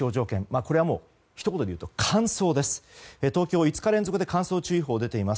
これは、ひと言でいうと乾燥です。